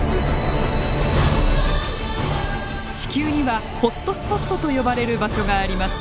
地球にはホットスポットと呼ばれる場所があります。